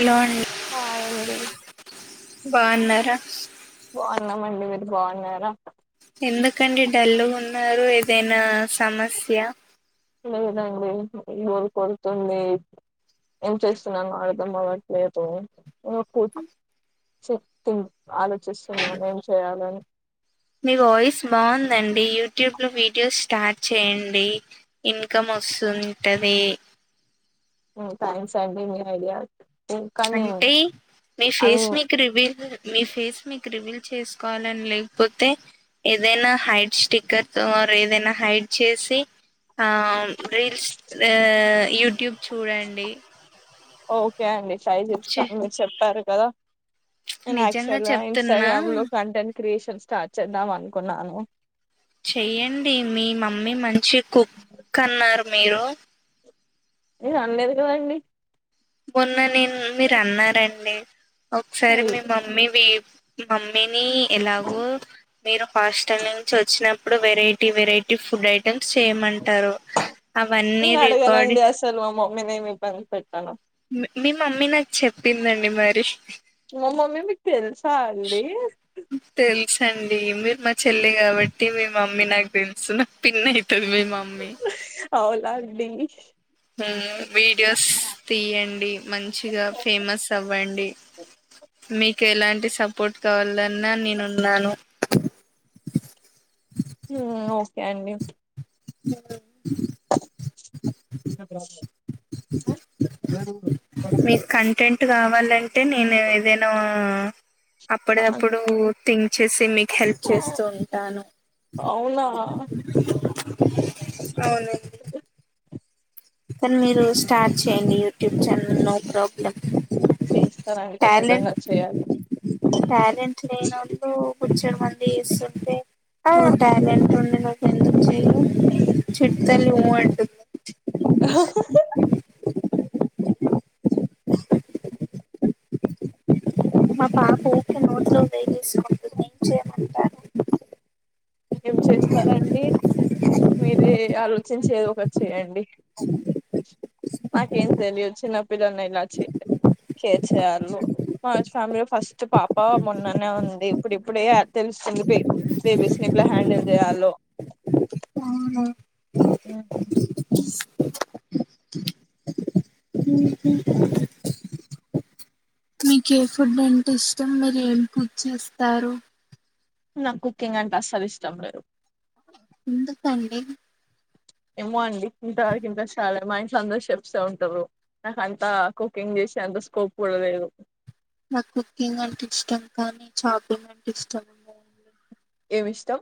Hello అండి hi అండి బాగున్నారా బాగున్నామండి మీరు బాగున్నారా న్నారు ఏదైనా సమస్య లేదండి బోర్ కొడుతుంది. ఏం చేస్తున్నానో అర్థం అవ్వట్లేదు. ఓకుకే చెప్తా ఈను ఆలోచిస్తున్నాను. ఏం చేయాలని మీ వాయిస్ బాగుందండి. యూట్యూబ్ లో వీడియోస్ స్టార్ట్ చేయండి. ఇన్కమ్ వస్తుంటది. హ్ థ్యాంక్స్ అండి మీ ఐడియా కానీ అంటే మీ అన్ ఫేస్ మీకు రివిల్ మీ ఫేస్ మీకు రివీల్ చేసుకోవాలని లేకపోతే ఏదైనా హైడ్ స్టిక్కర్ తో ఆర్ ఏదైనా హైడ్ చేసి ఆ రీల్స్ ఎ యూట్యూబ్ చూడండి. ఓకే అండి ట్రై చేస్తాను. మీరు చెప్పారు కదా నేను నిజంగా యాక్చువల్గా చెప్తున్నా ఇన్స్టాగ్రామ్ లో కంటెంట్ క్రియేషన్ స్టార్ట్ చేద్దాం అనుకున్నాను. చెయ్యండి మీ మమ్మీ మంచి కుక్ అన్నారు మీరు నేను అనలేదు కదండి. మొన్న నేను మీరు అన్నారండి. ఒకసారి అది మీ మమ్మీ మీ మమ్మీని ఏలగో మీరు హాస్టల్ నుంచి వోచ్చిన ఆ ప్పుడు వెరైటీ వెరైటీ ఫుడ్ ఐటెమ్స్ చేయమం నేను అడగానండి అసలు మా మమ్మీ నేమి ఇబ్బంది పెట్టాను. మీ మమ్మీ నాకు చెప్పిందండి. మరి మా మమ్మీ మీకు తెలుసా అండి. ఇ మీరు మా చెల్లి కాబట్టి మీ మమ్మీ నాకు తెలుసు నాకు పిన్నీ అయితది. [unintelligible] మామ్మీ అవునా అండి వీడియోస్ తీయండి. మంచిగా ఫేమస్ అవ్వండి. మీకు ఎలాంటి సపోర్ట్ కావాలన్నా నేను ఉన్నాను. ఓకే అండి అ చిన్న ప్రాబ్లం హా ఏడున్నావ్ మీకు కంటెంట్ కావాలంటే నేను ఏదైనా ఆ అప్పుడది ఆప్పుడు థింక్ చేసి మీకు హెల్ప్ చేస్తూ ఉంటాను. అవునా అవునండి కానీ మీరు స్టార్ట్ చేయండి. యూట్యూబ్ ఛానేల్ నో ప్రాబ్లం చేస్తానండి ఖచ్చితంగా ట్యాలెంట్ చేయాలి ట్యాలెంట్ లేనోళ్లు బొచ్చెడు మంది చేస్తుంటే ఆ టాలెంట్ ఉండి నువ్వు ఎందుకు చిట్టి తల్లి ఉ అంటుంది. మా బాబు వుకే నోట్లో వేలేసుకుంటుంది. ఏం చెయ్యమంటారు. ఏం చేస్తారండి వచ్చేయండి నాకేం తెలియదు. చిన్న పిల్లలను ఇలా చే కేర్ చేయాలో [unintelligible] ఫస్ట్ పాప మొన్ననే ఉంది. ఇప్పుడు ఇప్పుడే ఆ తెలుస్తుంది. బే బేబీస్ ఎట్లాహ్యాండిల్ చేయలో అవునా హ్ మీకే ఫుడ్ అంటే ఇష్టం. మరి ఏం పూజ చేస్తారు. నాకు కుకింగ్ అంటే అస్సలు ఇష్టం లేదు. ఎందుకండీ? ఏమో అండి. ఇంతవరికి ఇంట్రెస్ట్ రాలే. మా ఇంట్లో అందరు చెఫ్ సె ఉంటారు. నాకంత కుకింగ్ చేసే అంత స్కోప్ కూడా లేదు. నాకు కుకింగ్ అంటే ఇష్టం. కానీ, చాపింగ్ అంటే ఇష్టం ఉండదండి. ఏమిష్టం?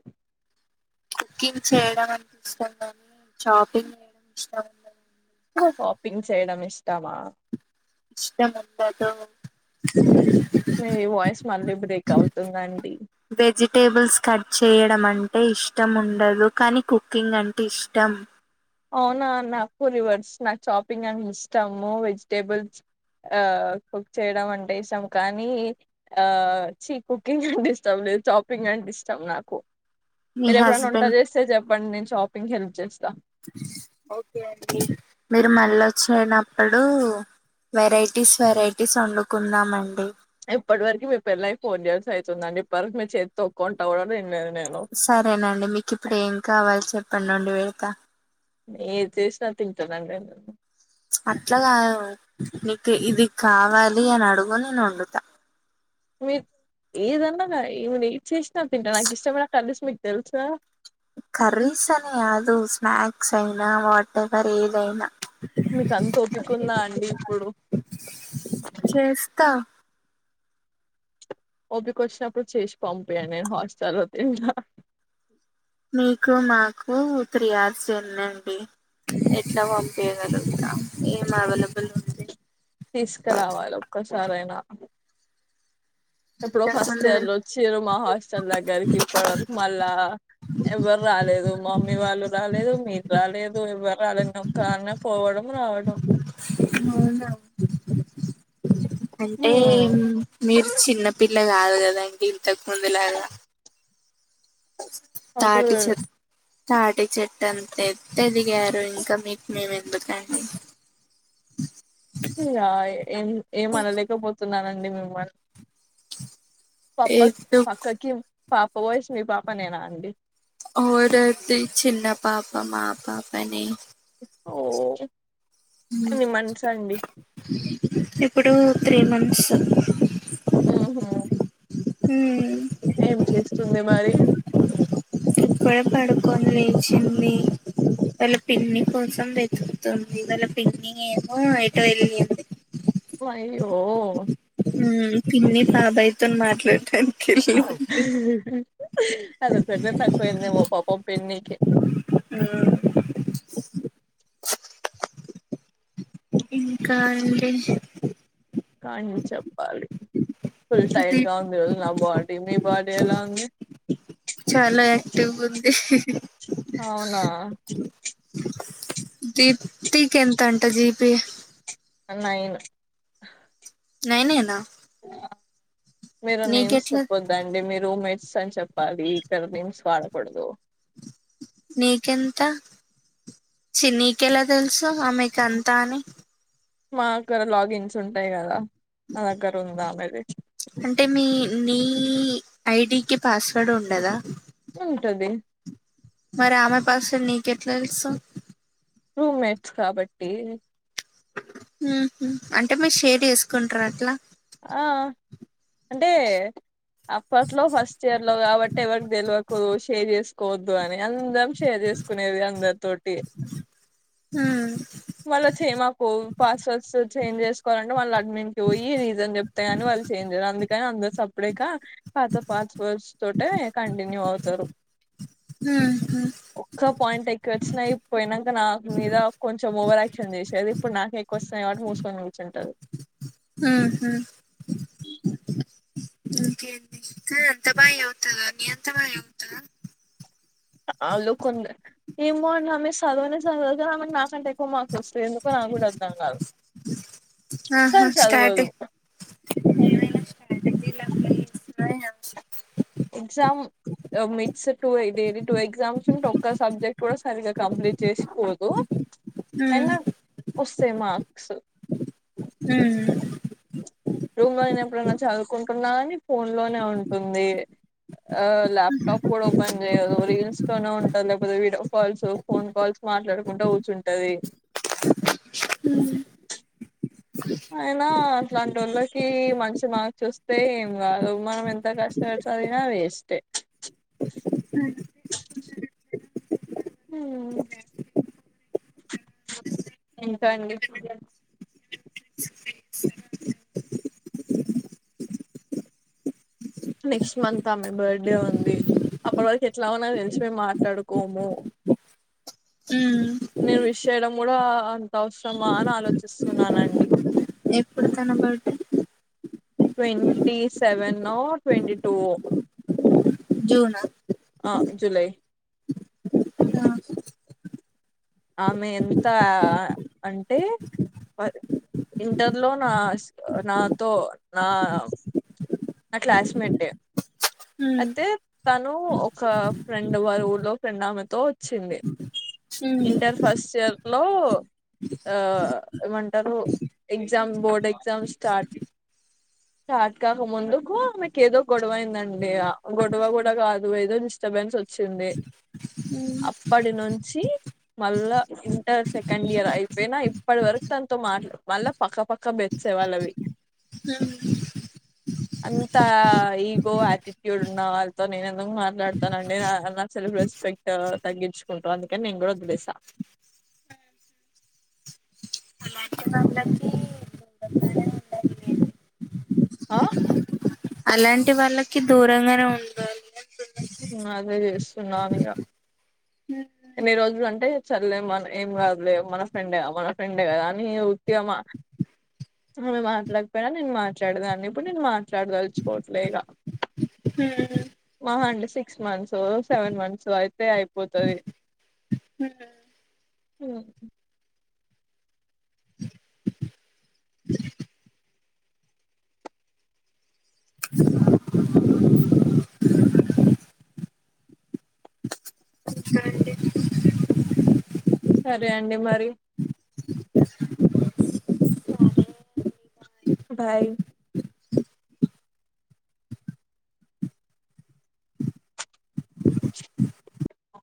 కుకింగ్ చేయడం అంటె ఇష్టం కాని, చాపింగ్ చేయడం ఇష్టం ఉండదండి. షాపింగ్ చేయడం ఇష్టమా? ఇష్టం ఉండదు. మీ వాయిస్ మళ్ళీ బ్రేక్ అవుతుందండి వెజిటేబుల్స్ కట్ చేయడం అన్ టే ఇష్టం ఉండదు. కానీ, కుకింగ్ అంటే ఇష్టం. అవునా నాకు రివర్స్. నాకు చాపింగ్ అని ఇష్టము. వెజిటేబల్స్ ఆ కుక్ చేయడం అంటే ఇష్టం. కానీ. ఆ చి, కుకింగ్ అంటే ఇష్టం లే చాపింగ్ అంటే ఇష్టం నాకు. మీ మీర్ ఎప్పుడైనా వంట హస్బెండ్ చేస్తే చెప్పండి. నేను చాపింగ్ కి హెల్ప్ చేస్తా. ఓకే అండి. మీరు మల్ల వచ్చినప్పుడు, వెరైటీస్, వెరైటీస్ వండుకుందామండి. ఇప్పటి వరకు, మీ పెళ్లయి ఫోన్ ఇయర్స్ అవుతుందండి. ఇప్పటికి మీ చేత్తో ఒక్క వంట కూడ తిన్లేదు. సరేనండి. మీకిప్పుడు ఏం కావాలి చెప్పండి, వండి పెడతా. ఏది చేసినా తింటానండి నేను. అట్ల కాదు. నీకు ఇది కావాలి అని అడుగు. నేను వండుతా. మీ ఏదన్నాగా, ఏమ్ ఏద్ చేసినా తింటా నాకు ఇష్టమైన కర్రీస్ మీకు తెలుసా గా! కర్రీస్ అని కాదు స్నాక్స్ అయినా, వాట్ ఎవర్ ఏదైనా. మీకు అంత ఒపికుందా అండి ఇప్పుడు? చేస్తా ఓపికొచ్చినప్పుడు చేసి పంపియండి. నేను హాస్టల్లో తింటా. మీకు మాకు త్రీ అవర్స్ ఉందండి. ఎట్ల పంపియగలుగుతాం? ఏం అవైలబుల్ ఉంది? తీస్కరావాలి ఒక్కసారైనా. ఎప్పుడో ఇంతకు ఫస్ట్ ముందు ఇయర్ లో వచ్చారు మా హాస్టల్ దగ్గరికి ఇప్పటి వరకు మళ్ళా, ఎవ్వర్ రాలేదు. మమ్మీ వాళ్ళు రాలేదు. మీర్ రాలేదు. ఎవ్వర్ రాలేదు. నేనొక్కదాన్నే పోవడం. రావడం. నువ్వున్నావ్ అంటే, హ్మ్ మీరు చిన్నపిల్ల కాదు కదా! ఇంతకు ముందులాగా. అప్పుడు తాటి చెట్ తాటిచెట్టంత ఎత్తు ఎదిగారు. ఇంక మీకు మేము ఎందుకండి? ఇలా ఏం ఏంమనలేకపోతున్నానండి మిమ్మల్ పాప ఎందుకు పక్కకి, పాప పోయస్, మీ పాపనేనా అండి. అవుదత్తి చిన్న పాప. మా పాపనే. ఓ ఎన్ని మంత్స్ అండి? ఇప్పుడు త్రీ మంత్స్. మ్హు మ్ ఏం చేస్తుంది మరి? ఇప్పుడే పడుకొని లేచింది. వాళ్ళ పిన్నీ కోసం వెతుకుతుంది. వాళ్ళ పిన్నీ ఏమో ఎటో ఎళ్ళింది. ఒ అయ్యో మ్. పిన్నీ బాబాయితోన మాట్లాడతన్ అదొక్కటే తక్కువైందేమో పాపం పిన్నికి. ఆ ఇంకా అంటే కానీ చెప్పాలి ఫుల్ టైట్ గా దీప్ ఉంది రోజు నా బాడీ మీ బడ ఎలా అడి చాలా యాక్టివ్ ఉంది అవునా దీప్ తీక ఎంత అంటా జిపి నైను నైన్ ఆ నా మీరు నేమ్స్ చెప్పొద్దండి మీరు మే స చెప్ప అది కర్ నింస్ వాడకడదు నీకెంత చి నీకెలా తెలుసు ఆమెకు అంతా అని మా అక్కడ లాగిన్స్ ఉంటాయి కదా నా దగ్గర ఉందా ఆమెది అంటే మీ నీ ఈ ఐడికి పాస్వేర్డ్ ఉండదా ఉంటది మరి ఆమె పాస్ నకట్లా తెలుసు రూమ్ మేట్స్ కాబట్టి అంటే మీరు షేర్ చేసుకుంటార అట్లా ఆ అంటే అప్పట్లో ఫస్ట్ ఇయర్ లో కాబట్టి ఎవరికి తెలియకూదు షేర్ చేసుకోవద్దు అని అందరం షేర్ చేసుకునేది అందరి తటి ఉమ్, వాళ్ళ చేమాకు పాస్వర్డ్స్ చేంజ్ చేసుకోవాలంటే వాళ్ళు అడ్మిన్వ ఈ ప్తని వాళ్ళు చేయించారు అందుకని అందరు సప్పుడక పాత పాత వర్స్ తోటే కంటిన్యూ అవుతారు హు ఇ వచ్చినాయి పోయినాక నాకు మీద కొంచం ఓవర్ క్షన్ చేసేది ఇప్పుడు నాక ఎక్కు వస్తుయి వాట్టి మూసుకొని కూర్చు ఉంటారు ఉహు ఇంకేంది ఉత్తమ త అలు కొ ఈ మో సాధవణ సా నాకంట ఎ మాకు ఇస్తే ఎందుకో నాకు కూడా అర్ద్దాం కాదు ఆహా అస్సలు స్టార్ట్ చదవదు [inaudible] ఎగ్జామ్ మిక్స్ టూ ఇది టూ ఎగ్జామ్స్ ఉంటే ఒక్క సబ్జెక్ట్ కూడా సరిగ్గా కంప్లీట్ చేసుకోదు హూ వస్తేయి మార్క్స్ హూ రూమ్ లో నన ఎప్పుడైనా చదువుకుంటున్నా అని ఫోన్ లోనే ఉంటుంది ఆ ల్యాప్టాప్ కూడా ఓపెన్ చేయదు రీల్స్ తోనే ఉంటారు లేకపోతే వీడియో కాల్స్ ఫోన్ కాల్స్ మాట్లాడకుండా కూర్చుంటది హ ఇట్లాంటి వాళ్ళకి మంచి మార్క్స్ వస్తే ఏం కాదు మనం ఎంత కష్టపడిదిన వేస్ ఆ అ ఎంతో అండి నెక్స్ట్ మంత్ ఆమె బర్త్డే ఉంది అప్పటి వరకు ఎట్లా ఉన్నా తెలిసి మేము మాట్లాడుకోము ఉమ్, నేను విష్ చేయడం కూడా అంత అవసరమా అని ఆలోచిస్తున్నానండి ఎప్పుడు తనబడ్డే ట్వంటీ సెవెనో ట్వంటీ టు ఒ జూనా అ జులై యా ఆమె ఎంత అంటే పర్ ఇంటర్లో నాస్ నాతో నా నా క్లాస్మెట్ ఏ ఉమ్, అయితే తను ఒక ఫ్రెండ్ వారు ఊలో ఫ్రెండ్ ఆమెతో వచ్చింది ఉమ్, ఇంటర్ ఫస్ట్ ఇయర్ లో ఆ ఏమంటరు exam board exam start start కాక ముందుకు ఆమెకు ఏదో గొడవైందం డే ఆ గొడవ కూడా కాదు ఏదో డిస్టర్బెన్స్ వచ్చింది ఉమ్. అప్పటి నుంచి మళ్ళా ఇంటర్ సెకండ్ ఇయర్ అయిపోయినా ఇప్పటి వరకు తో మాట్లా మళ్ళా పక్కపక్క బెడ్సే వాళ్ళవి [unintelligible] అంతా ఈగో ఆటి ట్యూడ్ ఉన్న వాళ్ళతో నేను ఎందుకు మాట్లాతానండి నా సెల్ఫ్ రెస్పెక్ట్ తగ్గించుకుంటు అందుకని నే గోడకు గుదేస హ ఉండదు. అ అలాంటి వాళ్ళకి దూరంగానే ఉండాలిగ ఊ అదే ఏసునానిగ ఎన్ని రోజులు అంటే చల్లే మన ఏం కాదులే మన ఫ్రెండ్ మన ఫ్రెండ్ ఏ కదా అని యూతిగా ఆమె మాట్లాకపోయినా నేను మాట్లాడేదాన్ని ఇప్పుడు నేను మాట్లాడదలుచుకోవట్లే ఇగ అ మహా అంటే సిక్స్ ఓ మంత్స్ ఓ సెవెన్ మంత్స్ అయితే అయిపోతది ఉహు సరే అండి మరి బాయ్